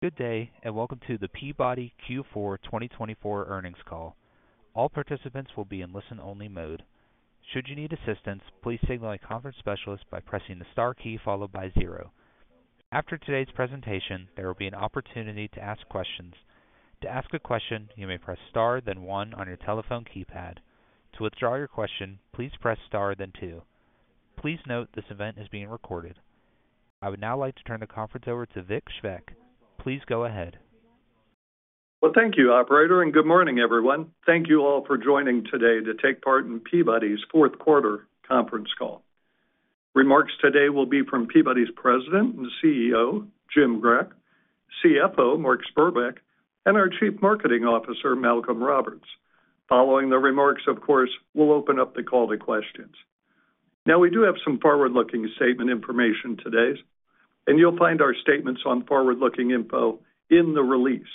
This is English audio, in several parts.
Good day, and welcome to the Peabody Q4 2024 Earnings Call. All participants will be in listen-only mode. Should you need assistance, please signal a conference specialist by pressing the star key followed by zero. After today's presentation, there will be an opportunity to ask questions. To ask a question, you may press star, then one on your telephone keypad. To withdraw your question, please press star, then two. Please note this event is being recorded. I would now like to turn the conference over to Vic Svec. Please go ahead. Thank you, Operator, and good morning, everyone. Thank you all for joining today to take part in Peabody's Fourth Quarter Conference Call. Remarks today will be from Peabody's President and CEO, Jim Grech, CFO, Mark Spurbeck, and our Chief Marketing Officer, Malcolm Roberts. Following the remarks, of course, we'll open up the call to questions. Now, we do have some forward-looking statement information today, and you'll find our statements on forward-looking info in the release.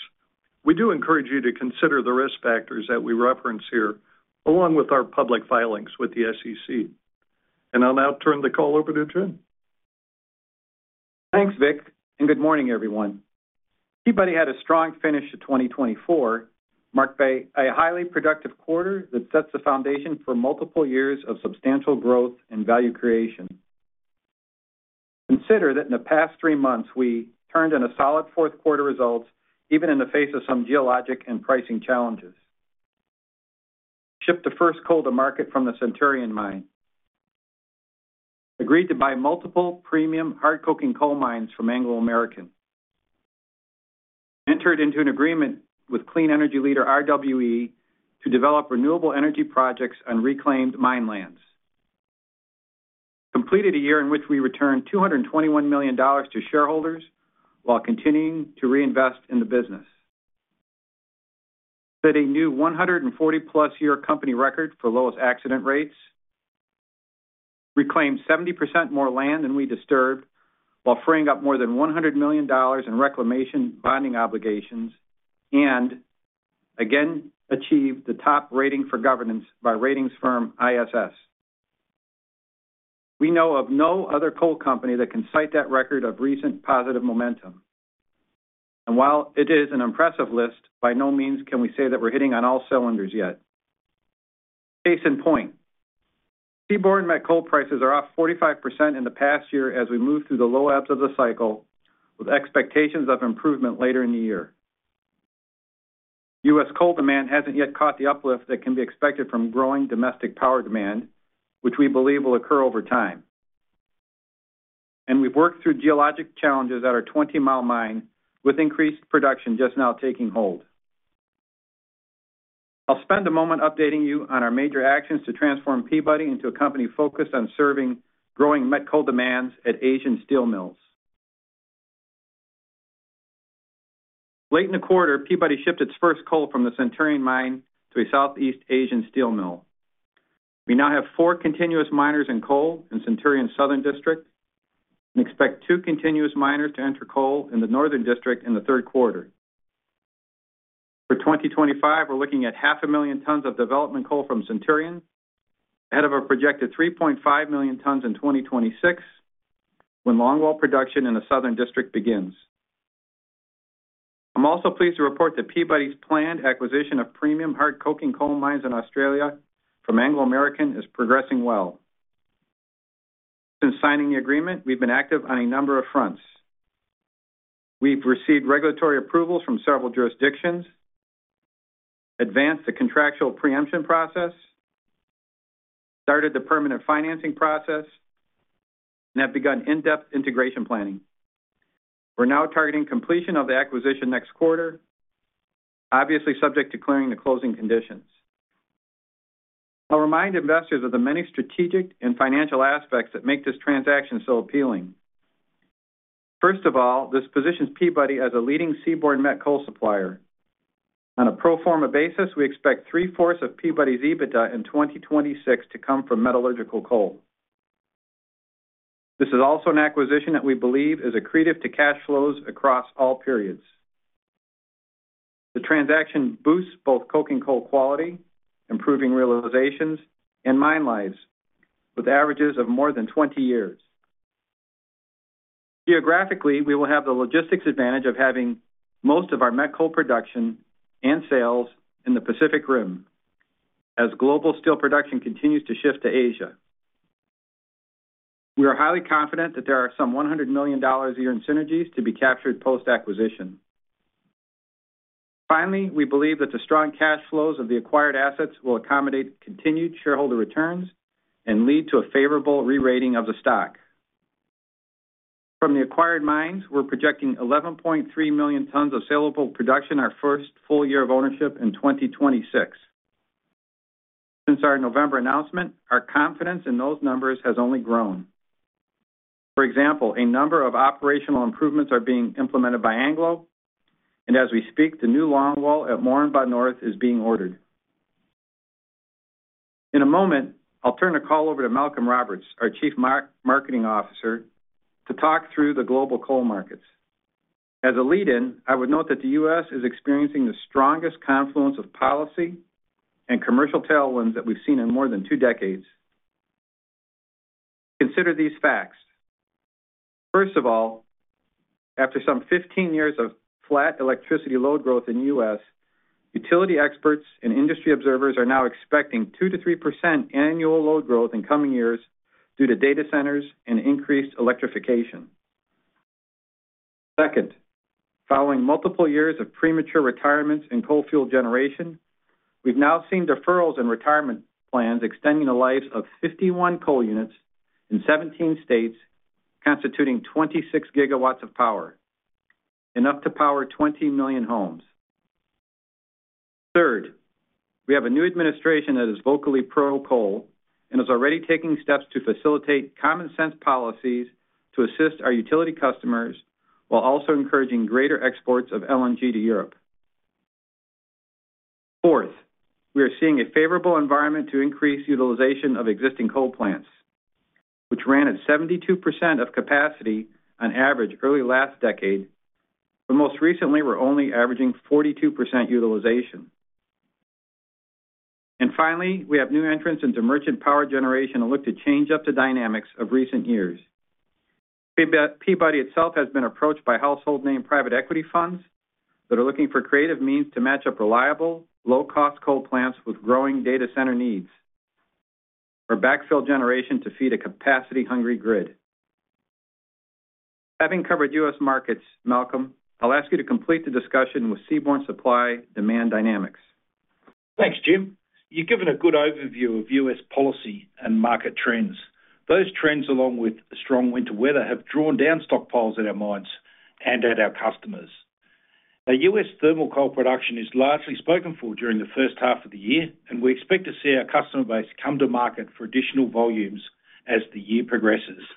We do encourage you to consider the risk factors that we reference here, along with our public filings with the SEC. I'll now turn the call over to Jim. Thanks, Vic, and good morning, everyone. Peabody had a strong finish to 2024, marked by a highly productive quarter that sets the foundation for multiple years of substantial growth and value creation. Consider that in the past three months, we turned in a solid fourth quarter results, even in the face of some geologic and pricing challenges. Shipped the first coal to market from the Centurion Mine. Agreed to buy multiple premium hard coking coal mines from Anglo American. Entered into an agreement with clean energy leader RWE to develop renewable energy projects on reclaimed mine lands. Completed a year in which we returned $221 million to shareholders while continuing to reinvest in the business. Set a new 140-plus-year company record for lowest accident rates. Reclaimed 70% more land than we disturbed while freeing up more than $100 million in reclamation bonding obligations and again achieved the top rating for governance by ratings firm ISS. We know of no other coal company that can cite that record of recent positive momentum. And while it is an impressive list, by no means can we say that we're hitting on all cylinders yet. Case in point, seaborne met coal prices are off 45% in the past year as we move through the low ebbs of the cycle with expectations of improvement later in the year. U.S. coal demand hasn't yet caught the uplift that can be expected from growing domestic power demand, which we believe will occur over time. And we've worked through geologic challenges at our Twentymile Mine with increased production just now taking hold. I'll spend a moment updating you on our major actions to transform Peabody into a company focused on serving growing met coal demands at Asian steel mills. Late in the quarter, Peabody shipped its first coal from the Centurion Mine to a Southeast Asian steel mill. We now have four continuous miners in coal in Centurion's southern district and expect two continuous miners to enter coal in the northern district in the third quarter. For 2025, we're looking at 500,000 tons of development coal from Centurion, ahead of a projected 3.5 million tons in 2026 when longwall production in the southern district begins. I'm also pleased to report that Peabody's planned acquisition of premium hard coking coal mines in Australia from Anglo American is progressing well. Since signing the agreement, we've been active on a number of fronts. We've received regulatory approvals from several jurisdictions, advanced the contractual preemption process, started the permanent financing process, and have begun in-depth integration planning. We're now targeting completion of the acquisition next quarter, obviously subject to clearing the closing conditions. I'll remind investors of the many strategic and financial aspects that make this transaction so appealing. First of all, this positions Peabody as a leading seaborne met coal supplier. On a pro forma basis, we expect three-fourths of Peabody's EBITDA in 2026 to come from metallurgical coal. This is also an acquisition that we believe is accretive to cash flows across all periods. The transaction boosts both coking coal quality, improving realizations, and mine lives with averages of more than 20 years. Geographically, we will have the logistics advantage of having most of our met coal production and sales in the Pacific Rim as global steel production continues to shift to Asia. We are highly confident that there are some $100 million a year in synergies to be captured post-acquisition. Finally, we believe that the strong cash flows of the acquired assets will accommodate continued shareholder returns and lead to a favorable re-rating of the stock. From the acquired mines, we're projecting 11.3 million tons of saleable production our first full year of ownership in 2026. Since our November announcement, our confidence in those numbers has only grown. For example, a number of operational improvements are being implemented by Anglo, and as we speak, the new longwall at Moranbah North is being ordered. In a moment, I'll turn the call over to Malcolm Roberts, our Chief Marketing Officer, to talk through the global coal markets. As a lead-in, I would note that the U.S. is experiencing the strongest confluence of policy and commercial tailwinds that we've seen in more than two decades. Consider these facts. First of all, after some 15 years of flat electricity load growth in the U.S., utility experts and industry observers are now expecting 2%-3% annual load growth in coming years due to data centers and increased electrification. Second, following multiple years of premature retirements in coal fuel generation, we've now seen deferrals in retirement plans extending the lives of 51 coal units in 17 states, constituting 26 gigawatts of power, enough to power 20 million homes. Third, we have a new administration that is vocally pro-coal and is already taking steps to facilitate common-sense policies to assist our utility customers while also encouraging greater exports of LNG to Europe. Fourth, we are seeing a favorable environment to increase utilization of existing coal plants, which ran at 72% of capacity on average early last decade, but most recently were only averaging 42% utilization. And finally, we have new entrants into merchant power generation that look to change up the dynamics of recent years. Peabody itself has been approached by household name private equity funds that are looking for creative means to match up reliable, low-cost coal plants with growing data center needs or backfill generation to feed a capacity-hungry grid. Having covered U.S. markets, Malcolm, I'll ask you to complete the discussion with seaborne's supply-demand dynamics. Thanks, Jim. You've given a good overview of U.S. policy and market trends. Those trends, along with strong winter weather, have drawn down stockpiles at our mines and at our customers. The U.S. thermal coal production is largely spoken for during the first half of the year, and we expect to see our customer base come to market for additional volumes as the year progresses.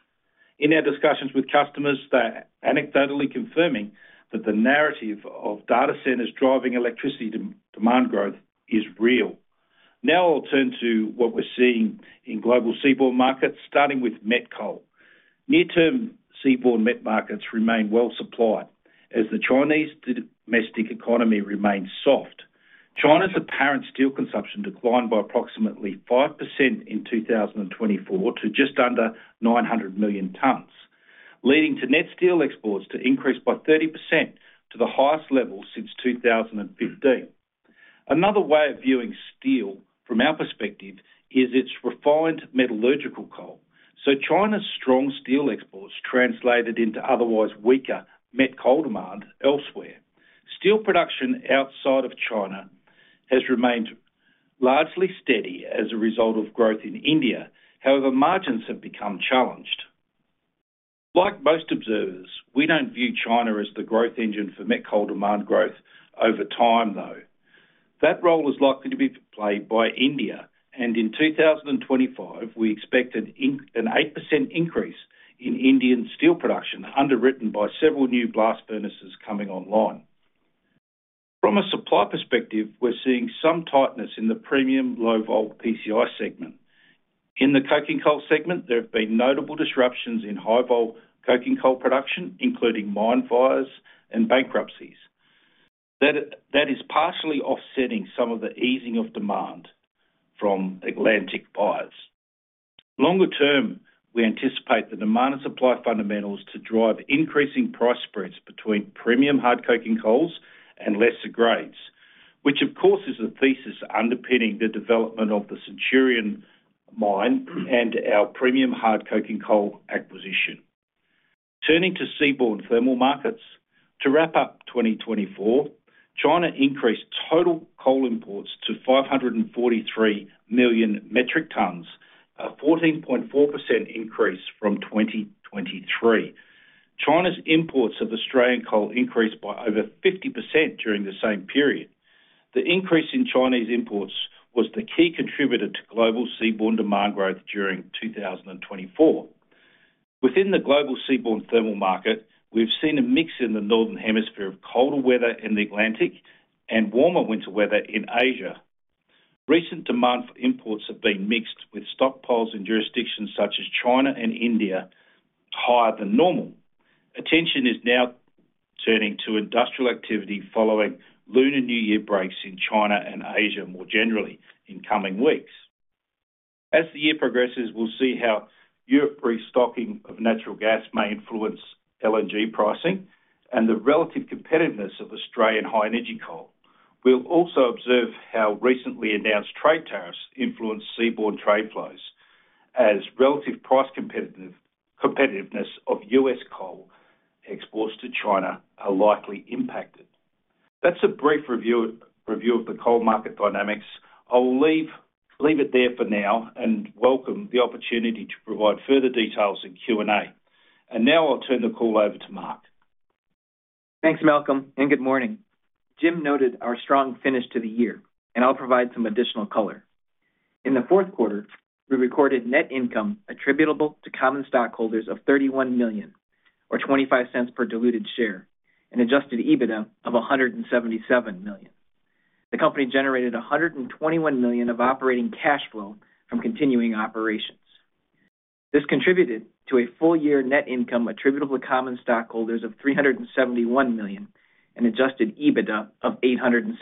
In our discussions with customers, they're anecdotally confirming that the narrative of data centers driving electricity demand growth is real. Now I'll turn to what we're seeing in global seaborne markets, starting with met coal. Near-term seaborne met markets remain well supplied as the Chinese domestic economy remains soft. China's apparent steel consumption declined by approximately 5% in 2024 to just under 900 million tons, leading to net steel exports to increase by 30% to the highest level since 2015. Another way of viewing steel from our perspective is its refined metallurgical coal. So China's strong steel exports translated into otherwise weaker met coal demand elsewhere. Steel production outside of China has remained largely steady as a result of growth in India. However, margins have become challenged. Like most observers, we don't view China as the growth engine for met coal demand growth over time, though. That role is likely to be played by India, and in 2025, we expect an 8% increase in Indian steel production, underwritten by several new blast furnaces coming online. From a supply perspective, we're seeing some tightness in the premium low vol PCI segment. In the coking coal segment, there have been notable disruptions in high vol coking coal production, including mine fires and bankruptcies. That is partially offsetting some of the easing of demand from Atlantic buyers. Longer term, we anticipate the demand and supply fundamentals to drive increasing price spreads between premium hard coking coals and lesser grades, which, of course, is the thesis underpinning the development of the Centurion Mine and our premium hard coking coal acquisition. Turning to seaborne thermal markets, to wrap up 2024, China increased total coal imports to 543 million metric tons, a 14.4% increase from 2023. China's imports of Australian coal increased by over 50% during the same period. The increase in Chinese imports was the key contributor to global seaborne demand growth during 2024. Within the global seaborne thermal market, we've seen a mix in the northern hemisphere of colder weather in the Atlantic and warmer winter weather in Asia. Recent demand for imports have been mixed with stockpiles in jurisdictions such as China and India higher than normal. Attention is now turning to industrial activity following Lunar New Year breaks in China and Asia more generally in coming weeks. As the year progresses, we'll see how Europe restocking of natural gas may influence LNG pricing and the relative competitiveness of Australian high-energy coal. We'll also observe how recently announced trade tariffs influence seaborne trade flows as relative price competitiveness of U.S. coal exports to China are likely impacted. That's a brief review of the coal market dynamics. I'll leave it there for now and welcome the opportunity to provide further details in Q&A, and now I'll turn the call over to Mark. Thanks, Malcolm, and good morning. Jim noted our strong finish to the year, and I'll provide some additional color. In the fourth quarter, we recorded net income attributable to common stockholders of $31 million, or $0.25 per diluted share, and adjusted EBITDA of $177 million. The company generated $121 million of operating cash flow from continuing operations. This contributed to a full-year net income attributable to common stockholders of $371 million and adjusted EBITDA of $872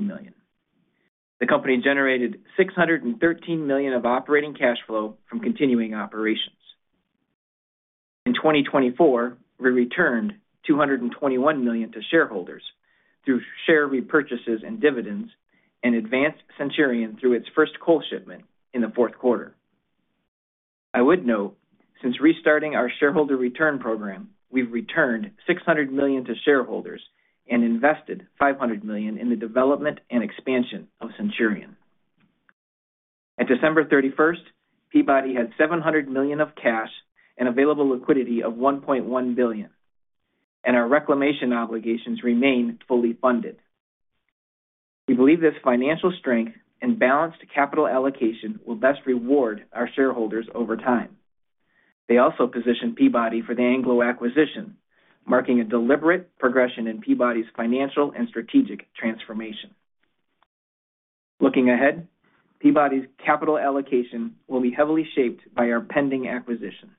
million. The company generated $613 million of operating cash flow from continuing operations. In 2024, we returned $221 million to shareholders through share repurchases and dividends and advanced Centurion through its first coal shipment in the fourth quarter. I would note, since restarting our shareholder return program, we've returned $600 million to shareholders and invested $500 million in the development and expansion of Centurion. At December 31st, Peabody had $700 million of cash and available liquidity of $1.1 billion, and our reclamation obligations remain fully funded. We believe this financial strength and balanced capital allocation will best reward our shareholders over time. They also position Peabody for the Anglo American acquisition, marking a deliberate progression in Peabody's financial and strategic transformation. Looking ahead, Peabody's capital allocation will be heavily shaped by our pending acquisition.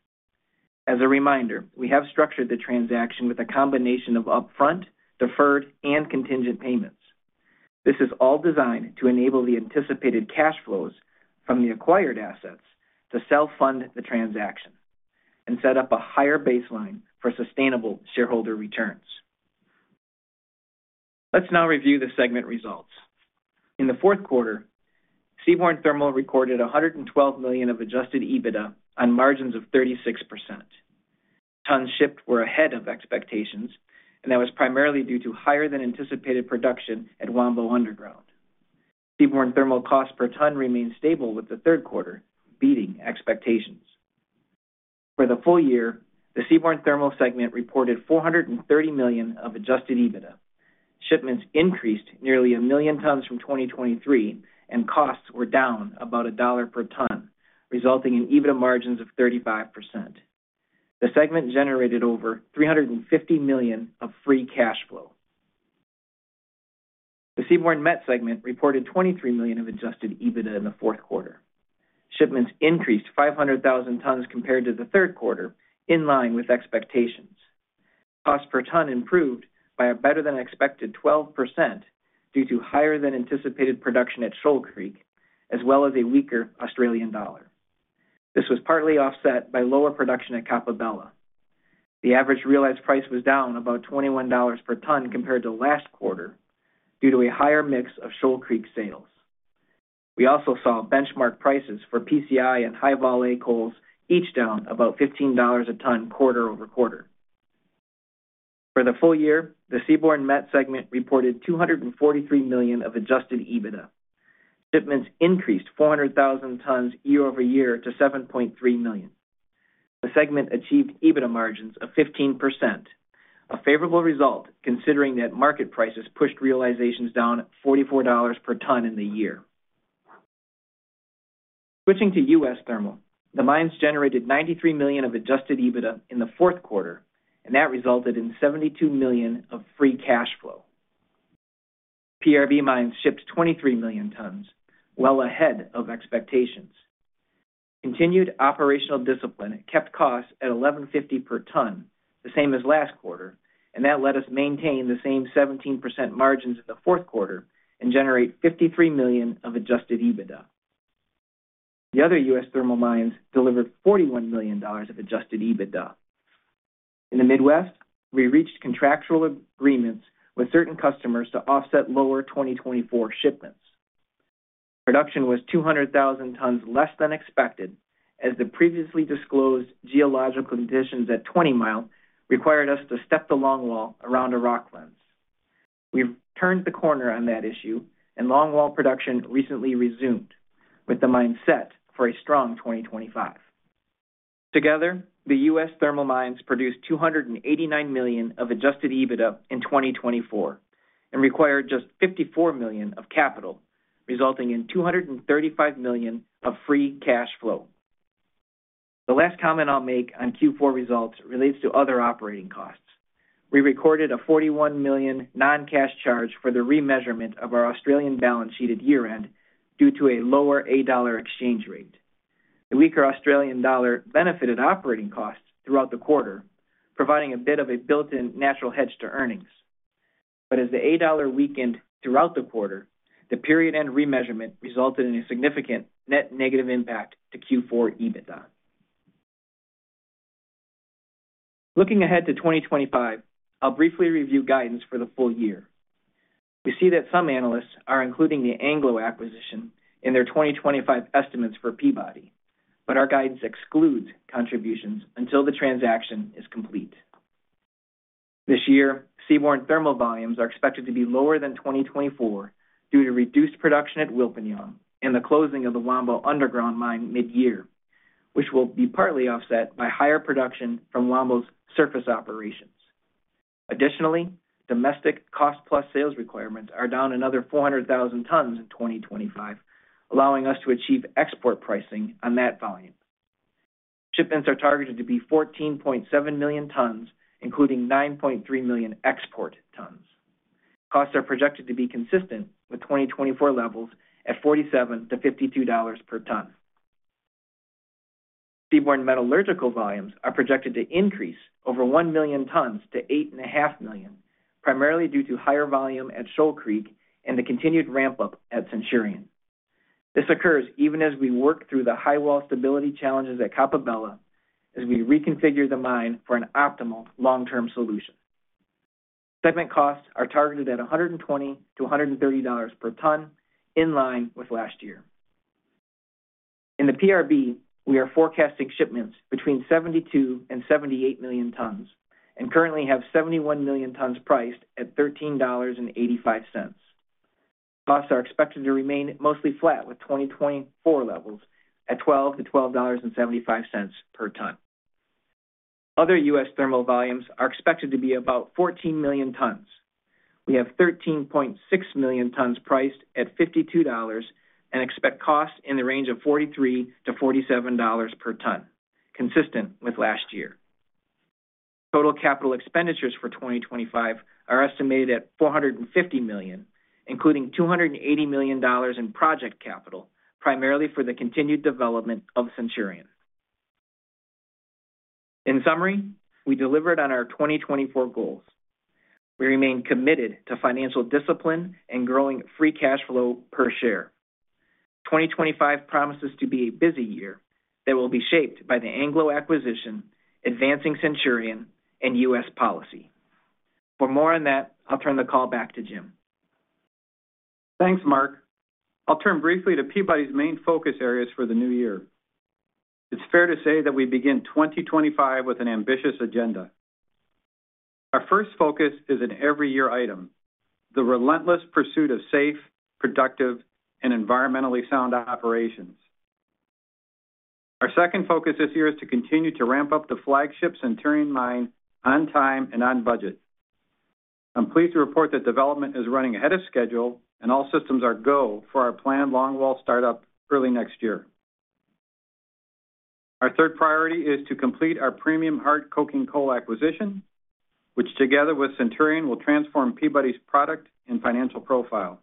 As a reminder, we have structured the transaction with a combination of upfront, deferred, and contingent payments. This is all designed to enable the anticipated cash flows from the acquired assets to self-fund the transaction and set up a higher baseline for sustainable shareholder returns. Let's now review the segment results. In the fourth quarter, seaborne thermal recorded $112 million of adjusted EBITDA on margins of 36%. Tons shipped were ahead of expectations, and that was primarily due to higher-than-anticipated production at Wambo Underground. seaborne thermal cost per ton remained stable with the third quarter, beating expectations. For the full year, the seaborne thermal segment reported $430 million of adjusted EBITDA. Shipments increased nearly a million tons from 2023, and costs were down about $1 per ton, resulting in EBITDA margins of 35%. The segment generated over $350 million of Free Cash Flow. The seaborne met segment reported $23 million of adjusted EBITDA in the fourth quarter. Shipments increased 500,000 tons compared to the third quarter, in line with expectations. Cost per ton improved by a better-than-expected 12% due to higher-than-anticipated production at Shoal Creek, as well as a weaker Australian dollar. This was partly offset by lower production at Coppabella. The average realized price was down about $21 per ton compared to last quarter due to a higher mix of Shoal Creek sales. We also saw benchmark prices for PCI and High Vol A coals each down about $15 a ton quarter over quarter. For the full year, the seaborne met segment reported $243 million of adjusted EBITDA. Shipments increased 400,000 tons year-over-year to 7.3 million. The segment achieved EBITDA margins of 15%, a favorable result considering that market prices pushed realizations down $44 per ton in the year. Switching to U.S. Thermal, the mines generated $93 million of adjusted EBITDA in the fourth quarter, and that resulted in $72 million of Free Cash Flow. PRB mines shipped 23 million tons, well ahead of expectations. Continued operational discipline kept costs at $11.50 per ton, the same as last quarter, and that let us maintain the same 17% margins in the fourth quarter and generate $53 million of Adjusted EBITDA. The other U.S. thermal mines delivered $41 million of Adjusted EBITDA. In the Midwest, we reached contractual agreements with certain customers to offset lower 2024 shipments. Production was 200,000 tons less than expected as the previously disclosed geological conditions at Twentymile required us to step the longwall around a rock lens. We've turned the corner on that issue, and longwall production recently resumed with the mindset for a strong 2025. Together, the U.S. thermal mines produced $289 million of Adjusted EBITDA in 2024 and required just $54 million of capital, resulting in $235 million of Free Cash Flow. The last comment I'll make on Q4 results relates to other operating costs. We recorded a $41 million non-cash charge for the remeasurement of our Australian balance sheet at year-end due to a lower A$ exchange rate. The weaker Australian dollar benefited operating costs throughout the quarter, providing a bit of a built-in natural hedge to earnings. But as the A-dollar weakened throughout the quarter, the period-end remeasurement resulted in a significant net negative impact to Q4 EBITDA. Looking ahead to 2025, I'll briefly review guidance for the full year. We see that some analysts are including the Anglo acquisition in their 2025 estimates for Peabody, but our guidance excludes contributions until the transaction is complete. This year, seaborne thermal volumes are expected to be lower than 2024 due to reduced production at Wilpinjong and the closing of the Wambo Underground mine mid-year, which will be partly offset by higher production from Wambo's surface operations. Additionally, domestic cost-plus sales requirements are down another 400,000 tons in 2025, allowing us to achieve export pricing on that volume. Shipments are targeted to be 14.7 million tons, including 9.3 million export tons. Costs are projected to be consistent with 2024 levels at $47-$52 per ton. Seaborne metallurgical volumes are projected to increase over one million tons to 8.5 million, primarily due to higher volume at Shoal Creek and the continued ramp-up at Centurion. This occurs even as we work through the highwall stability challenges at Coppabella, as we reconfigure the mine for an optimal long-term solution. Segment costs are targeted at $120-$130 per ton, in line with last year. In the PRB, we are forecasting shipments between 72 and 78 million tons and currently have 71 million tons priced at $13.85. Costs are expected to remain mostly flat with 2024 levels at $12-$12.75 per ton. Other U.S. thermal volumes are expected to be about 14 million tons. We have 13.6 million tons priced at $52 and expect costs in the range of $43-$47 per ton, consistent with last year. Total capital expenditures for 2025 are estimated at $450 million, including $280 million in project capital, primarily for the continued development of Centurion. In summary, we delivered on our 2024 goals. We remain committed to financial discipline and growing Free Cash Flow per share. 2025 promises to be a busy year that will be shaped by the Anglo acquisition, advancing Centurion, and U.S. policy. For more on that, I'll turn the call back to Jim. Thanks, Mark. I'll turn briefly to Peabody's main focus areas for the new year. It's fair to say that we begin 2025 with an ambitious agenda. Our first focus is an every-year item: the relentless pursuit of safe, productive, and environmentally sound operations. Our second focus this year is to continue to ramp up the flagship Centurion Mine on time and on budget. I'm pleased to report that development is running ahead of schedule, and all systems are go for our planned longwall startup early next year. Our third priority is to complete our premium hard coking coal acquisition, which, together with Centurion, will transform Peabody's product and financial profile.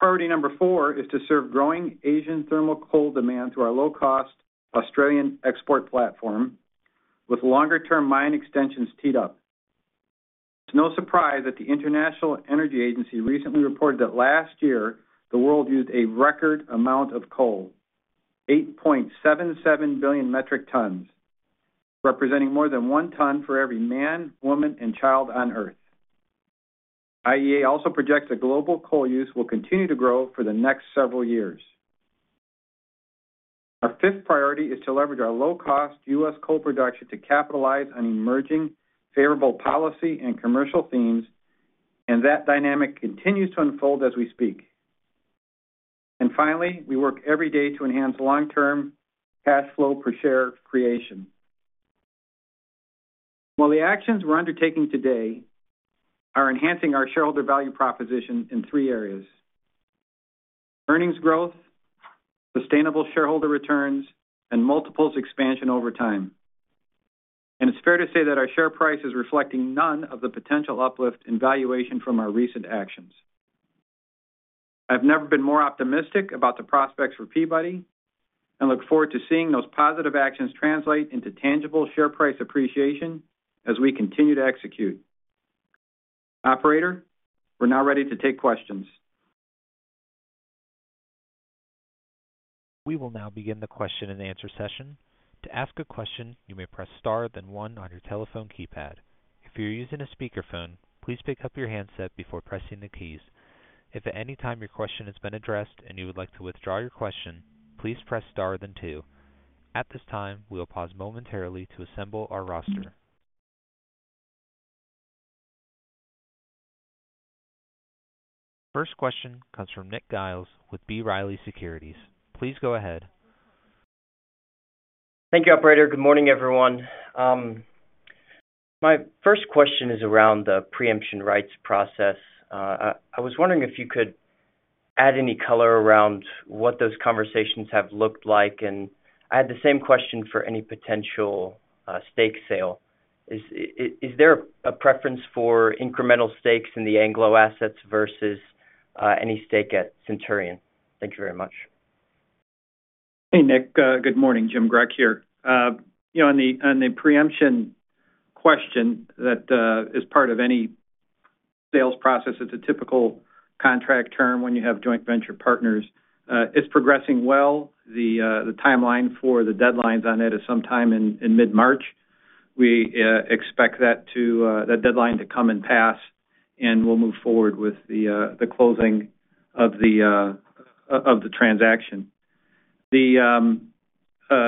Priority number four is to serve growing Asian thermal coal demand through our low-cost Australian export platform, with longer-term mine extensions teed up. It's no surprise that the International Energy Agency recently reported that last year, the world used a record amount of coal: 8.77 billion metric tons, representing more than one ton for every man, woman, and child on Earth. IEA also projects that global coal use will continue to grow for the next several years. Our fifth priority is to leverage our low-cost U.S. coal production to capitalize on emerging favorable policy and commercial themes, and that dynamic continues to unfold as we speak, and finally, we work every day to enhance long-term cash flow per share creation. While the actions we're undertaking today are enhancing our shareholder value proposition in three areas: earnings growth, sustainable shareholder returns, and multiples expansion over time, and it's fair to say that our share price is reflecting none of the potential uplift in valuation from our recent actions. I've never been more optimistic about the prospects for Peabody and look forward to seeing those positive actions translate into tangible share price appreciation as we continue to execute. Operator, we're now ready to take questions. We will now begin the question-and-answer session. To ask a question, you may press star then one on your telephone keypad. If you're using a speakerphone, please pick up your handset before pressing the keys. If at any time your question has been addressed and you would like to withdraw your question, please press star then two. At this time, we'll pause momentarily to assemble our roster. Our first question comes from Nick Giles with B. Riley Securities. Please go ahead. Thank you, Operator. Good morning, everyone. My first question is around the preemption rights process. I was wondering if you could add any color around what those conversations have looked like, and I had the same question for any potential stake sale. Is there a preference for incremental stakes in the Anglo assets versus any stake at Centurion? Thank you very much. Hey, Nick. Good morning. Jim Grech here. On the preemption question that is part of any sales process, it's a typical contract term when you have joint venture partners. It's progressing well. The timeline for the deadlines on it is sometime in mid-March. We expect that deadline to come and pass, and we'll move forward with the closing of the transaction.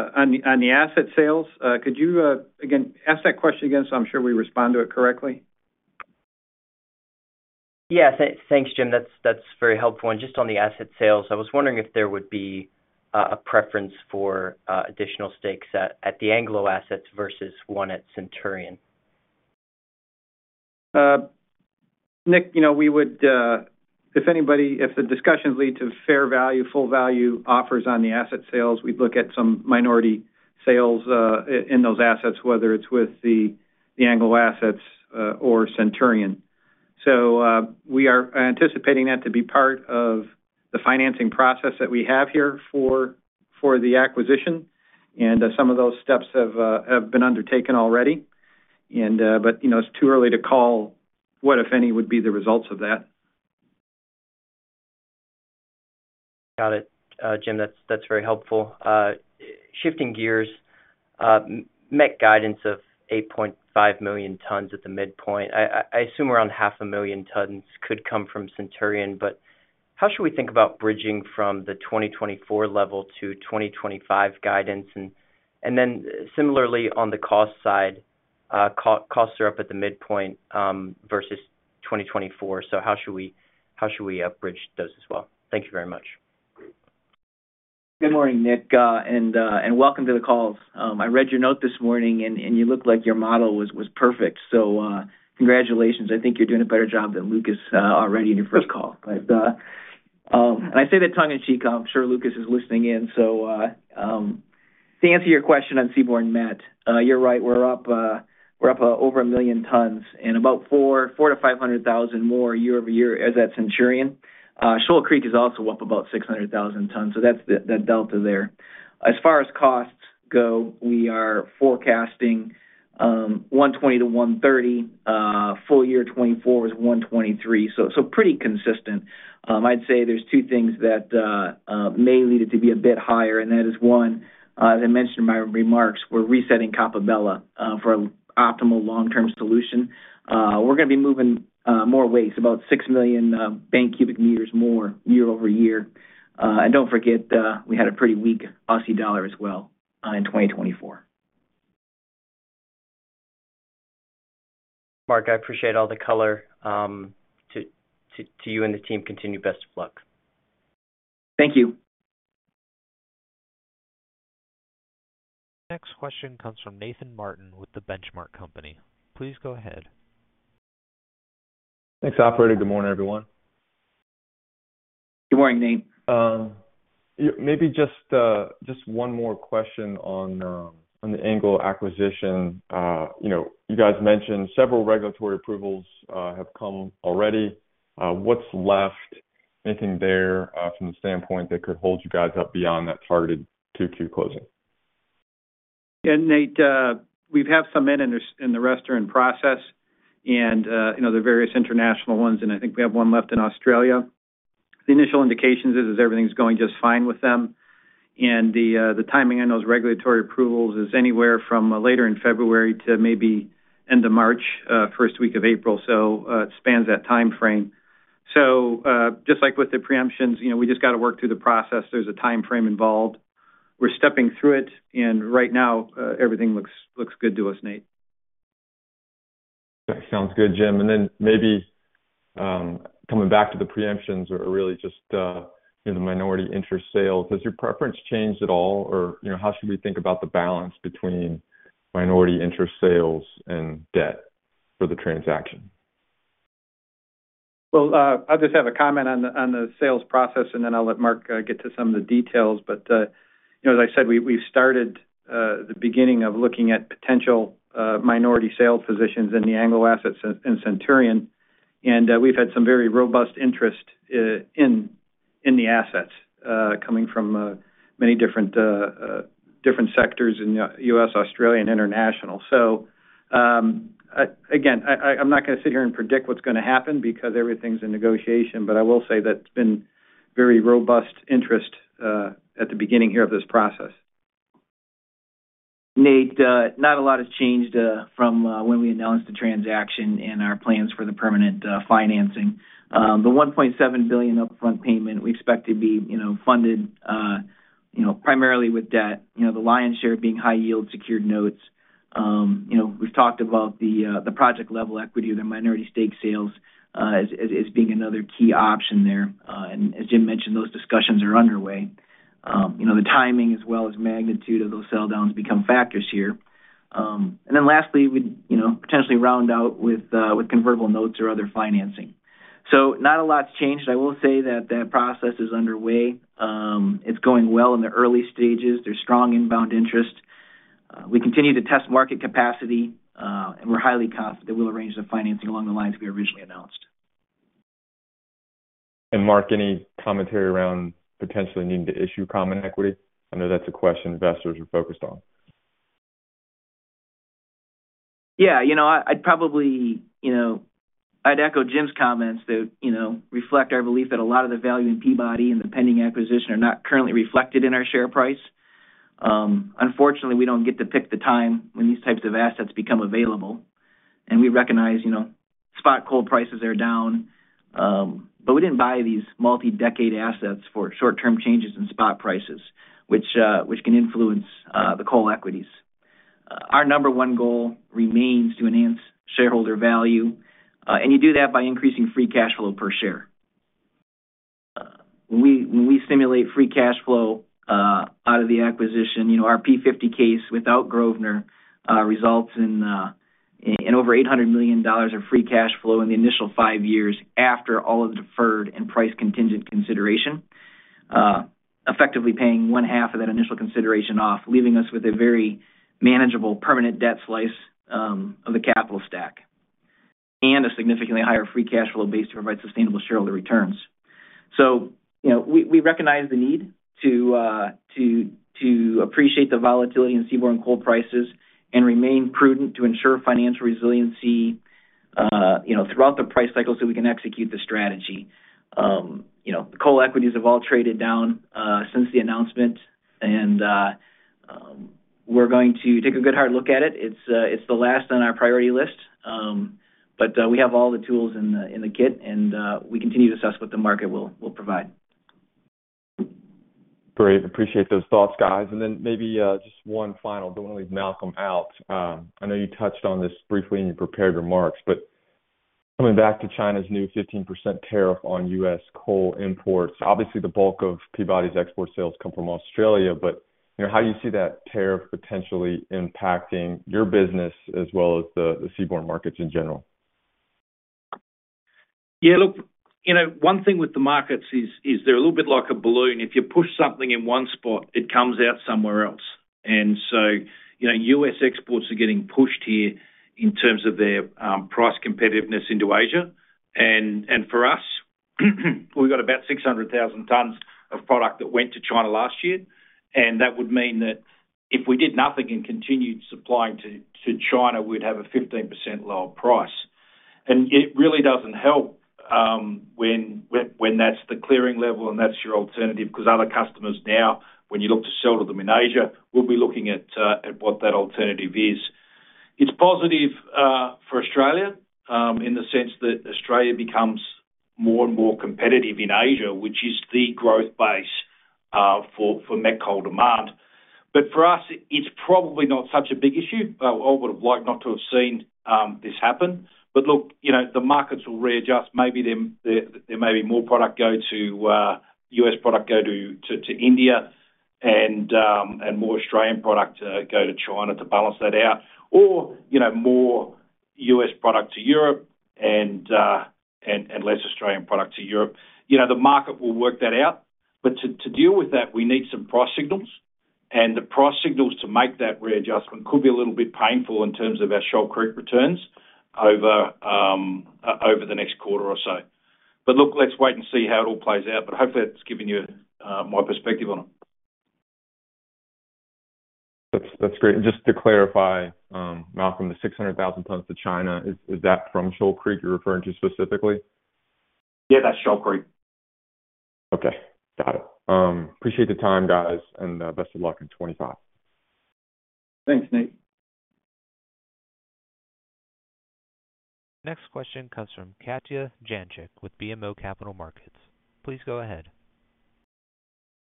On the asset sales, could you again ask that question again so I'm sure we respond to it correctly? Yes. Thanks, Jim. That's very helpful. And just on the asset sales, I was wondering if there would be a preference for additional stakes at the Anglo assets versus one at Centurion? Nick, we would, if the discussions lead to fair value, full value offers on the asset sales, we'd look at some minority sales in those assets, whether it's with the Anglo assets or Centurion. We are anticipating that to be part of the financing process that we have here for the acquisition, and some of those steps have been undertaken already. But it's too early to call what, if any, would be the results of that. Got it. Jim, that's very helpful. Shifting gears, met guidance of 8.5 million tons at the midpoint. I assume around 500,000 tons could come from Centurion, but how should we think about bridging from the 2024 level to 2025 guidance? And then similarly, on the cost side, costs are up at the midpoint versus 2024, so how should we bridge those as well? Thank you very much. Good morning, Nick, and welcome to the call. I read your note this morning, and you looked like your model was perfect, so congratulations. I think you're doing a better job than Lucas already in your first call, and I say that tongue in cheek. I'm sure Lucas is listening in, so to answer your question on seaborne met, you're right. We're up over a million tons and about 400,000-500,000 more year-over-year as at Centurion. Shoal Creek is also up about 600,000 tons, so that's that delta there. As far as costs go, we are forecasting $120-$130. Full year 2024 was $123, so pretty consistent. I'd say there's two things that may lead it to be a bit higher, and that is one, as I mentioned in my remarks, we're resetting Coppabella for an optimal long-term solution. We're going to be moving more waste, about 6 million BCM more year-over-year, and don't forget, we had a pretty weak Aussie dollar as well in 2024. Mark, I appreciate all the color. To you and the team, continue best of luck. Thank you. Next question comes from Nathan Martin with The Benchmark Company. Please go ahead. Thanks, Operator. Good morning, everyone. Good morning, Nate. Maybe just one more question on the Anglo acquisition. You guys mentioned several regulatory approvals have come already. What's left? Anything there from the standpoint that could hold you guys up beyond that targeted Q2 closing? Yeah, Nate, we have some in the regulatory process and the various international ones, and I think we have one left in Australia. The initial indication is everything's going just fine with them. And the timing on those regulatory approvals is anywhere from later in February to maybe end of March, first week of April, so it spans that timeframe. So just like with the preemptions, we just got to work through the process. There's a timeframe involved. We're stepping through it, and right now, everything looks good to us, Nate. Okay. Sounds good, Jim, and then maybe coming back to the preemptions or really just the minority interest sales, has your preference changed at all, or how should we think about the balance between minority interest sales and debt for the transaction? I'll just have a comment on the sales process, and then I'll let Mark get to some of the details. As I said, we've started the beginning of looking at potential minority sales positions in the Anglo assets and Centurion, and we've had some very robust interest in the assets coming from many different sectors in the U.S., Australia, and international. Again, I'm not going to sit here and predict what's going to happen because everything's in negotiation, but I will say that it's been very robust interest at the beginning here of this process. Nate, not a lot has changed from when we announced the transaction and our plans for the permanent financing. The $1.7 billion upfront payment, we expect to be funded primarily with debt, the lion's share being high-yield secured notes. We've talked about the project-level equity or the minority stake sales as being another key option there. And as Jim mentioned, those discussions are underway. The timing, as well as magnitude of those sell-downs, become factors here. And then lastly, we'd potentially round out with convertible notes or other financing. So not a lot's changed. I will say that that process is underway. It's going well in the early stages. There's strong inbound interest. We continue to test market capacity, and we're highly confident we'll arrange the financing along the lines we originally announced. Mark, any commentary around potentially needing to issue common equity? I know that's a question investors are focused on. Yeah. I'd probably echo Jim's comments that reflect our belief that a lot of the value in Peabody and the pending acquisition are not currently reflected in our share price. Unfortunately, we don't get to pick the time when these types of assets become available, and we recognize spot coal prices are down, but we didn't buy these multi-decade assets for short-term changes in spot prices, which can influence the coal equities. Our number one goal remains to enhance shareholder value, and you do that by increasing Free Cash Flow per share. When we stimulate Free Cash Flow out of the acquisition, our P50 case without Grosvenor results in over $800 million of Free Cash Flow in the initial five years after all of the deferred and price contingent consideration, effectively paying one-half of that initial consideration off, leaving us with a very manageable permanent debt slice of the capital stack and a significantly higher Free Cash Flow base to provide sustainable shareholder returns. So we recognize the need to appreciate the volatility in seaborne coal prices and remain prudent to ensure financial resiliency throughout the price cycle so we can execute the strategy. The coal equities have all traded down since the announcement, and we're going to take a good hard look at it. It's the last on our priority list, but we have all the tools in the kit, and we continue to assess what the market will provide. Great. Appreciate those thoughts, guys. And then maybe just one final, don't want to leave Malcolm out. I know you touched on this briefly in your prepared remarks, but coming back to China's new 15% tariff on U.S. coal imports, obviously, the bulk of Peabody's export sales come from Australia, but how do you see that tariff potentially impacting your business as well as the seaborne markets in general? Yeah. Look, one thing with the markets is they're a little bit like a balloon. If you push something in one spot, it comes out somewhere else. And so U.S. exports are getting pushed here in terms of their price competitiveness into Asia. And for us, we've got about 600,000 tons of product that went to China last year, and that would mean that if we did nothing and continued supplying to China, we'd have a 15% lower price. And it really doesn't help when that's the clearing level and that's your alternative because other customers now, when you look to sell to them in Asia, will be looking at what that alternative is. It's positive for Australia in the sense that Australia becomes more and more competitive in Asia, which is the growth base for met coal demand. But for us, it's probably not such a big issue. I would have liked not to have seen this happen, but look, the markets will readjust. Maybe there may be more product go to U.S. product go to India and more Australian product go to China to balance that out, or more U.S. product to Europe and less Australian product to Europe. The market will work that out, but to deal with that, we need some price signals, and the price signals to make that readjustment could be a little bit painful in terms of our Shoal Creek returns over the next quarter or so, but look, let's wait and see how it all plays out, but hopefully, that's giving you my perspective on it. That's great. And just to clarify, Malcolm, the 600,000 tons to China, is that from Shoal Creek you're referring to specifically? Yeah, that's Shoal Creek. Okay. Got it. Appreciate the time, guys, and best of luck in 2025. Thanks, Nate. Next question comes from Katja Jancic with BMO Capital Markets. Please go ahead.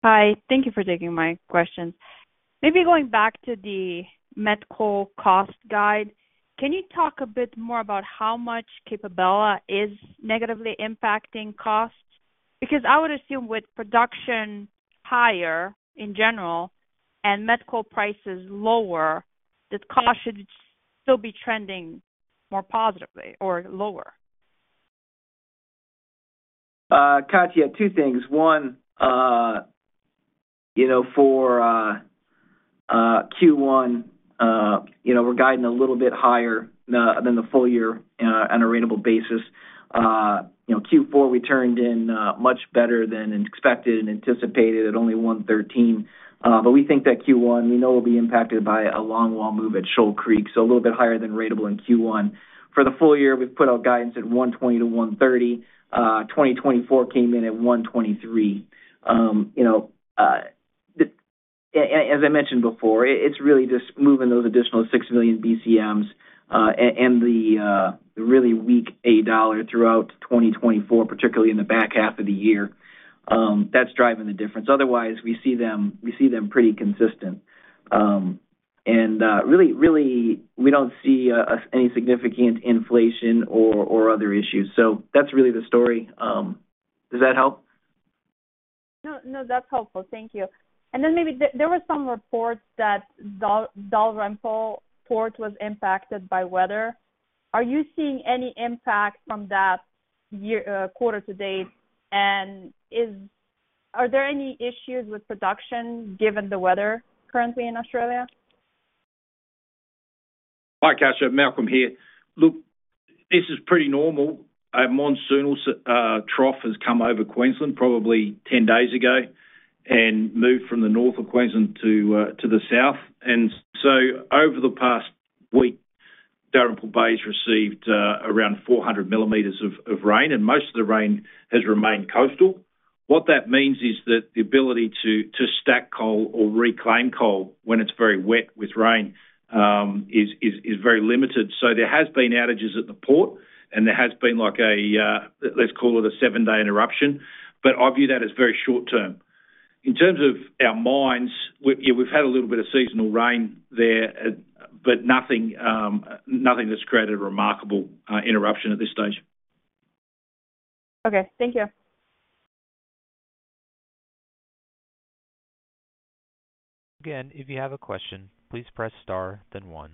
Hi. Thank you for taking my questions. Maybe going back to the met coal cost guide, can you talk a bit more about how much Coppabella is negatively impacting costs? Because I would assume with production higher in general and met coal prices lower, the cost should still be trending more positively or lower. Katja, two things. One, for Q1, we're guiding a little bit higher than the full year on a ratable basis. Q4, we turned in much better than expected and anticipated at only 113, but we think that Q1, we know we'll be impacted by a longwall move at Shoal Creek, so a little bit higher than ratable in Q1. For the full year, we've put our guidance at 120-130. 2024 came in at 123. As I mentioned before, it's really just moving those additional 6 million BCMs and the really weak $8 throughout 2024, particularly in the back half of the year. That's driving the difference. Otherwise, we see them pretty consistent, and really, we don't see any significant inflation or other issues, so that's really the story. Does that help? No, that's helpful. Thank you. And then maybe there were some reports that Dalrymple Bay port was impacted by weather. Are you seeing any impact from that quarter to date? And are there any issues with production given the weather currently in Australia? Hi, Katja. Malcolm here. Look, this is pretty normal. A monsoonal trough has come over Queensland probably 10 days ago and moved from the north of Queensland to the south. And so over the past week, Dalrymple Bay has received around 400 millimeters of rain, and most of the rain has remained coastal. What that means is that the ability to stack coal or reclaim coal when it's very wet with rain is very limited. So there has been outages at the port, and there has been like a, let's call it a seven-day interruption, but I view that as very short-term. In terms of our mines, we've had a little bit of seasonal rain there, but nothing that's created a remarkable interruption at this stage. Okay. Thank you. Again, if you have a question, please press star, then one.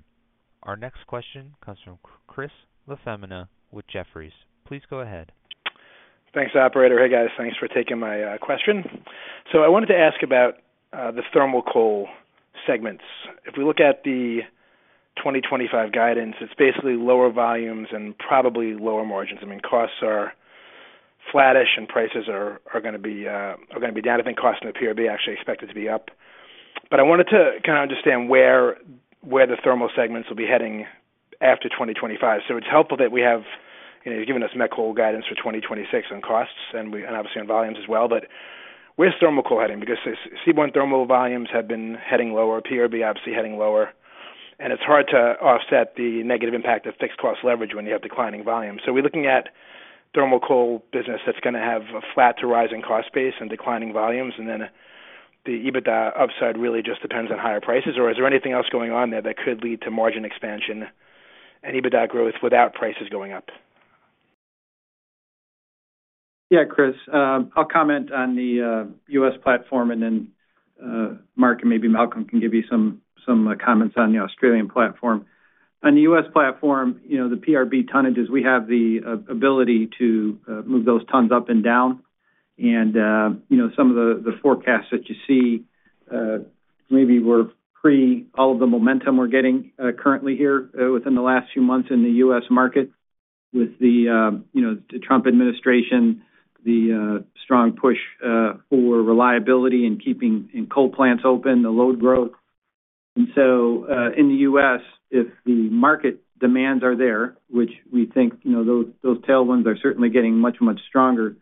Our next question comes from Chris LaFemina with Jefferies. Please go ahead. Thanks, Operator. Hey, guys. Thanks for taking my question. So I wanted to ask about the thermal coal segments. If we look at the 2025 guidance, it's basically lower volumes and probably lower margins. I mean, costs are flattish and prices are going to be down. I think costs in the PRB are actually expected to be up. But I wanted to kind of understand where the thermal segments will be heading after 2025. So it's helpful that you've given us met coal guidance for 2026 on costs and obviously on volumes as well. But where's thermal coal heading? Because seaborne thermal volumes have been heading lower, PRB obviously heading lower, and it's hard to offset the negative impact of fixed cost leverage when you have declining volumes. Are we looking at thermal coal business that's going to have a flat to rising cost base and declining volumes, and then the EBITDA upside really just depends on higher prices, or is there anything else going on there that could lead to margin expansion and EBITDA growth without prices going up? Yeah, Chris, I'll comment on the U.S. platform, and then Mark and maybe Malcolm can give you some comments on the Australian platform. On the U.S. platform, the PRB tonnages, we have the ability to move those tons up and down. And some of the forecasts that you see maybe were pre all of the momentum we're getting currently here within the last few months in the U.S. market with the Trump administration, the strong push for reliability and keeping coal plants open, the load growth. And so in the U.S., if the market demands are there, which we think those tailwinds are certainly getting much, much stronger,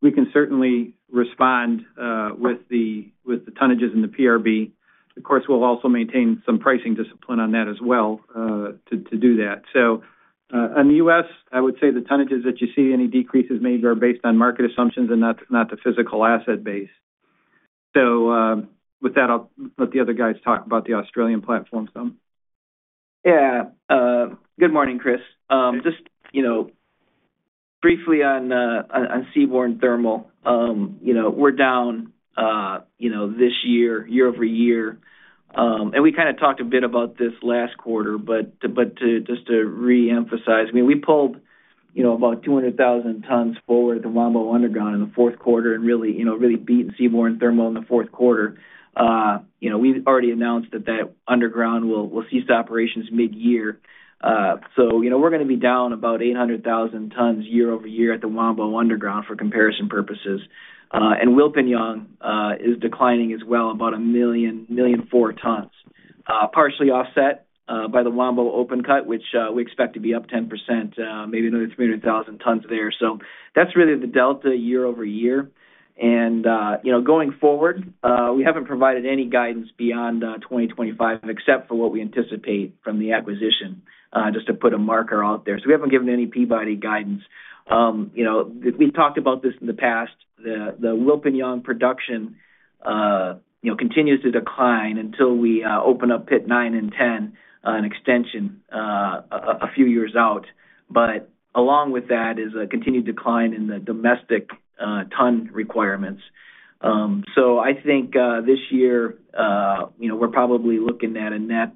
we can certainly respond with the tonnages in the PRB. Of course, we'll also maintain some pricing discipline on that as well to do that. So in the U.S., I would say the tonnages that you see, any decreases maybe are based on market assumptions and not the physical asset base. So with that, I'll let the other guys talk about the Australian platform some. Yeah. Good morning, Chris. Just briefly on seaborne thermal. We're down this year, year-over-year. And we kind of talked a bit about this last quarter, but just to reemphasize, I mean, we pulled about 200,000 tons forward at the Wambo Underground in the fourth quarter and really beat seaborne thermal in the fourth quarter. We've already announced that that underground will cease operations mid-year. So we're going to be down about 800,000 tons year-over-year at the Wambo Underground for comparison purposes. And Wilpinjong is declining as well, about 1.4 million tons, partially offset by the Wambo Open Cut, which we expect to be up 10%, maybe another 300,000 tons there. So that's really the delta year-over-year. And going forward, we haven't provided any guidance beyond 2025 except for what we anticipate from the acquisition, just to put a marker out there. So we haven't given any Peabody guidance. We've talked about this in the past. The Wilpinjong production continues to decline until we open up Pit 9 and 10 in extension a few years out. But along with that is a continued decline in the domestic ton requirements. So I think this year we're probably looking at a net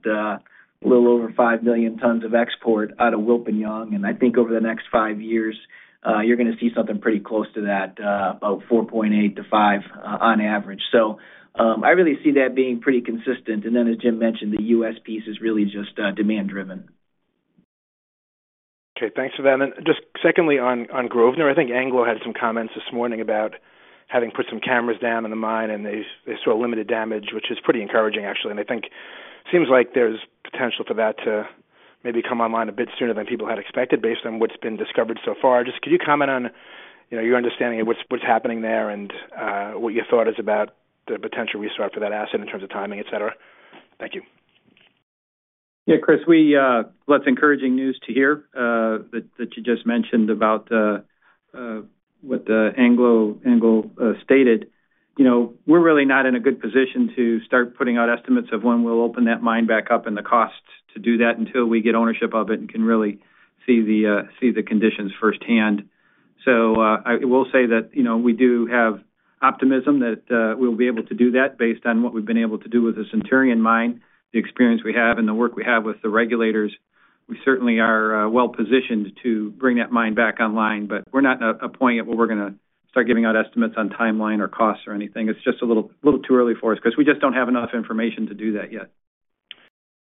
little over five million tons of export out of Wilpinjong. And I think over the next five years, you're going to see something pretty close to that, about 4.8-5 on average. So I really see that being pretty consistent. And then, as Jim mentioned, the U.S. piece is really just demand-driven. Okay. Thanks for that. And just secondly, on Grosvenor, I think Anglo had some comments this morning about having put some cameras down in the mine and they saw limited damage, which is pretty encouraging, actually. And I think it seems like there's potential for that to maybe come online a bit sooner than people had expected based on what's been discovered so far. Just could you comment on your understanding of what's happening there and what your thought is about the potential restart for that asset in terms of timing, etc.? Thank you. Yeah, Chris, that's encouraging news to hear that you just mentioned about what Anglo stated. We're really not in a good position to start putting out estimates of when we'll open that mine back up and the costs to do that until we get ownership of it and can really see the conditions firsthand. So I will say that we do have optimism that we'll be able to do that based on what we've been able to do with the Centurion Mine, the experience we have, and the work we have with the regulators. We certainly are well positioned to bring that mine back online, but we're not at a point where we're going to start giving out estimates on timeline or costs or anything. It's just a little too early for us because we just don't have enough information to do that yet.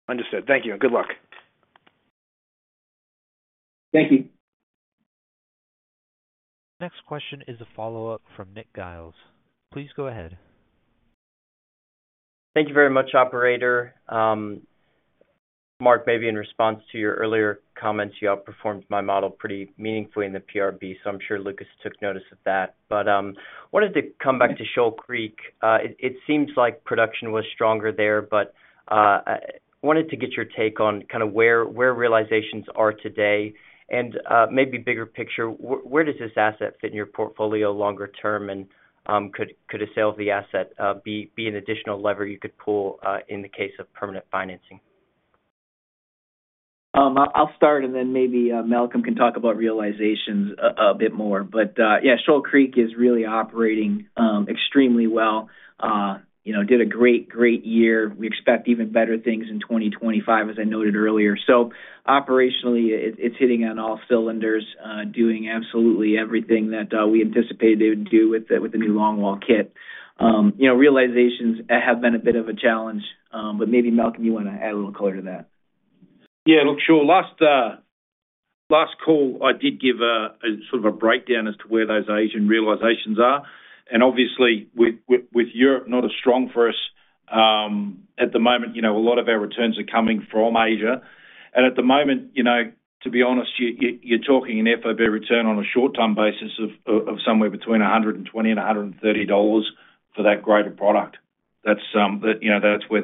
Understood. Thank you. And good luck. Thank you. Next question is a follow-up from Nick Giles. Please go ahead. Thank you very much, Operator. Mark, maybe in response to your earlier comments, you outperformed my model pretty meaningfully in the PRB, so I'm sure Lucas took notice of that, but wanted to come back to Shoal Creek. It seems like production was stronger there, but wanted to get your take on kind of where realizations are today, and maybe bigger picture, where does this asset fit in your portfolio longer term, and could a sale of the asset be an additional lever you could pull in the case of permanent financing? I'll start, and then maybe Malcolm can talk about realizations a bit more. But yeah, Shoal Creek is really operating extremely well. Did a great, great year. We expect even better things in 2025, as I noted earlier. So operationally, it's hitting on all cylinders, doing absolutely everything that we anticipated it would do with the new longwall kit. Realizations have been a bit of a challenge, but maybe Malcolm, you want to add a little color to that? Yeah. Look, sure. Last call, I did give sort of a breakdown as to where those Asian realizations are. And obviously, with Europe, not as strong for us at the moment. A lot of our returns are coming from Asia. And at the moment, to be honest, you're talking an FOB return on a short-term basis of somewhere between $120-$130 for that greater product. That's where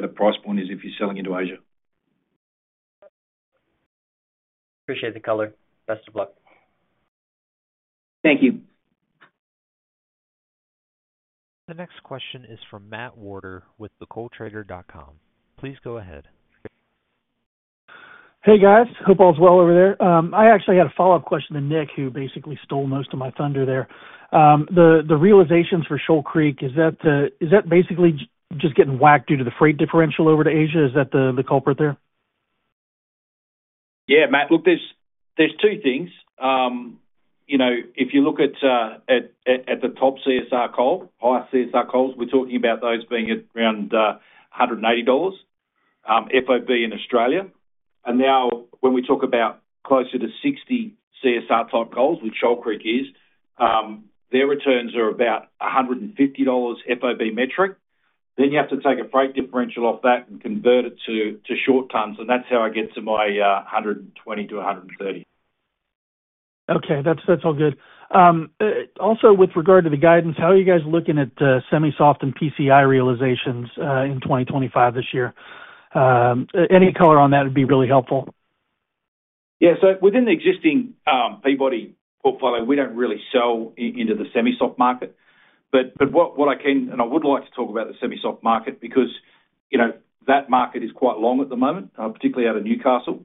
the price point is if you're selling into Asia. Appreciate the color. Best of luck. Thank you. The next question is from Matt Warder with thecoaltrader.com. Please go ahead. Hey, guys. Hope all's well over there. I actually had a follow-up question to Nick, who basically stole most of my thunder there. The realizations for Shoal Creek, is that basically just getting whacked due to the freight differential over to Asia? Is that the culprit there? Yeah, Matt. Look, there are two things. If you look at the top CSR coal, high CSR coals, we're talking about those being around $180 FOB in Australia. And now when we talk about closer to 60 CSR type coals, which Shoal Creek is, their returns are about $150 FOB metric. Then you have to take a freight differential off that and convert it to short tons, and that's how I get to my $120-$130. Okay. That's all good. Also, with regard to the guidance, how are you guys looking at semi-soft and PCI realizations in 2025 this year? Any color on that would be really helpful. Yeah. So within the existing Peabody portfolio, we don't really sell into the semi-soft market. But what I can, and I would like to talk about the semi-soft market because that market is quite long at the moment, particularly out of Newcastle.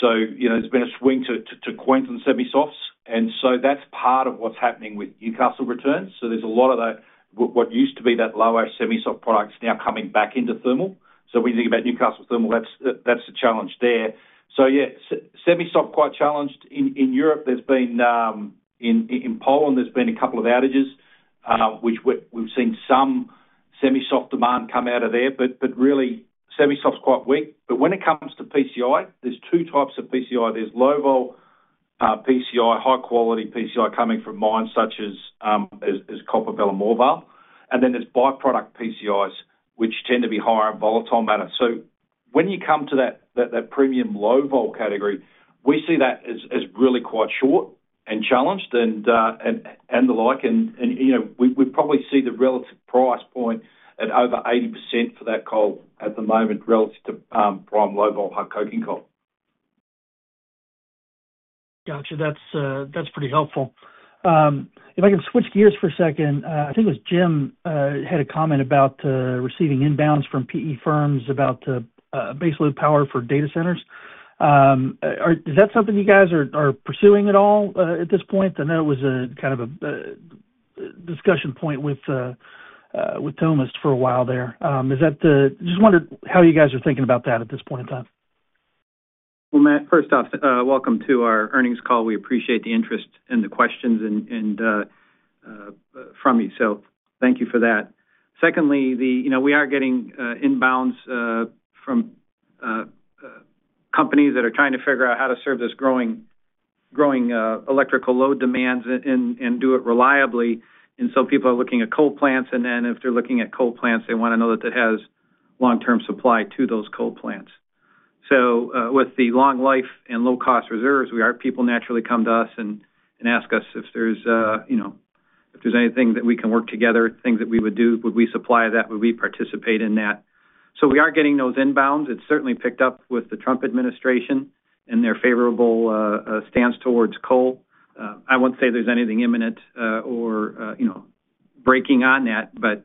So there's been a swing to Queensland semi-softs. And so that's part of what's happening with Newcastle returns. So there's a lot of what used to be that low-ish semi-soft product is now coming back into thermal. So when you think about Newcastle thermal, that's the challenge there. So yeah, semi-soft quite challenged. In Europe, there's been in Poland, there's been a couple of outages, which we've seen some semi-soft demand come out of there. But really, semi-soft's quite weak. But when it comes to PCI, there's two types of PCI. There's low-vol PCI, high-quality PCI coming from mines such as Coppabella and Moranbah. Then there's byproduct PCIs, which tend to be higher in volatile matter. When you come to that premium low-vol category, we see that as really quite short and challenged and the like. We probably see the relative price point at over 80% for that coal at the moment relative to prime low-vol hard coking coal. Gotcha. That's pretty helpful. If I can switch gears for a second, I think it was Jim had a comment about receiving inbounds from PE firms about base load power for data centers. Is that something you guys are pursuing at all at this point? I know it was kind of a discussion point with Thomas for a while there. Just wondered how you guys are thinking about that at this point in time. Matt, first off, welcome to our earnings call. We appreciate the interest and the questions from you. Thank you for that. Secondly, we are getting inbounds from companies that are trying to figure out how to serve this growing electrical load demands and do it reliably. And so people are looking at coal plants, and then if they're looking at coal plants, they want to know that it has long-term supply to those coal plants. With the long life and low-cost reserves, people naturally come to us and ask us if there's anything that we can work together, things that we would do, would we supply that, would we participate in that. We are getting those inbounds. It's certainly picked up with the Trump administration and their favorable stance towards coal. I wouldn't say there's anything imminent or breaking on that. But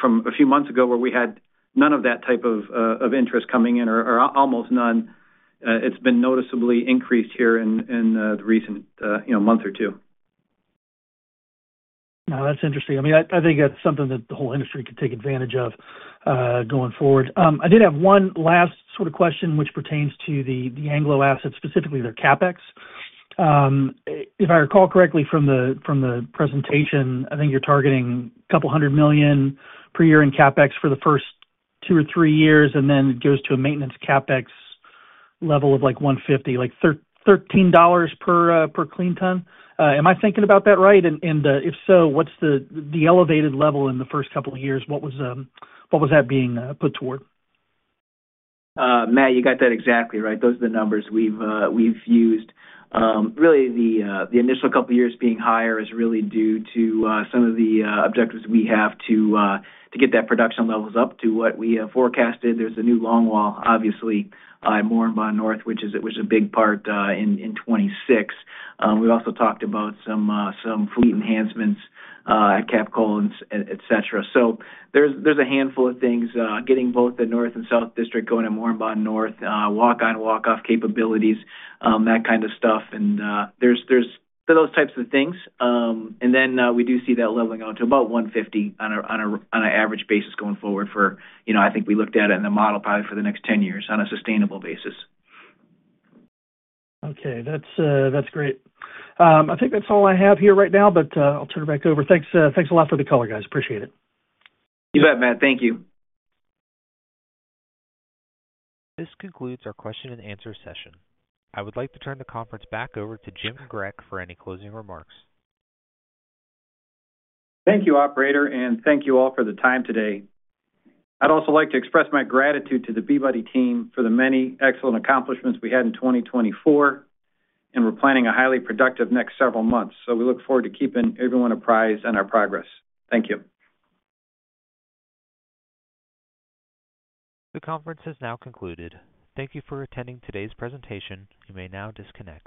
from a few months ago, where we had none of that type of interest coming in, or almost none, it's been noticeably increased here in the recent month or two. No, that's interesting. I mean, I think that's something that the whole industry could take advantage of going forward. I did have one last sort of question which pertains to the Anglo assets, specifically their CapEx. If I recall correctly from the presentation, I think you're targeting a couple $100 million per year in CapEx for the first two or three years, and then it goes to a maintenance CapEx level of like $150, like $13 per clean tonne. Am I thinking about that right? And if so, what's the elevated level in the first couple of years? What was that being put toward? Matt, you got that exactly right. Those are the numbers we've used. Really, the initial couple of years being higher is really due to some of the objectives we have to get that production levels up to what we forecasted. There's a new longwall, obviously, at Moranbah North, which was a big part in 2026. We've also talked about some fleet enhancements at Capcoal, etc. So there's a handful of things getting both the North and South District going to Moranbah North, walk-on and walk-off capabilities, that kind of stuff. And there's those types of things. And then we do see that leveling out to about $150 on an average basis going forward for, I think we looked at it in the model probably for the next 10 years on a sustainable basis. Okay. That's great. I think that's all I have here right now, but I'll turn it back over. Thanks a lot for the color, guys. Appreciate it. You bet, Matt. Thank you. This concludes our question-and-answer session. I would like to turn the conference back over to Jim Grech for any closing remarks. Thank you, Operator, and thank you all for the time today. I'd also like to express my gratitude to the Peabody team for the many excellent accomplishments we had in 2024, and we're planning a highly productive next several months. So we look forward to keeping everyone apprised on our progress. Thank you. The conference has now concluded. Thank you for attending today's presentation. You may now disconnect.